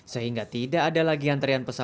sehingga tidak ada lagi antrian penumpang